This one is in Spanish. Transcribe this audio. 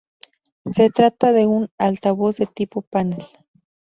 Se trata de un altavoz de tipo panel.